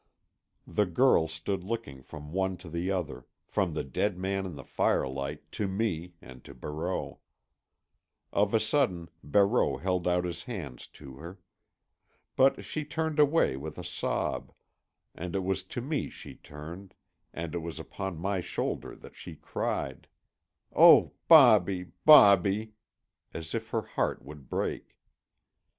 The girl stood looking from one to the other, from the dead man in the firelight to me, and to Barreau. Of a sudden Barreau held out his hands to her. But she turned away with a sob, and it was to me she turned, and it was upon my shoulder that she cried, "Oh, Bobby, Bobby!" as if her heart would break.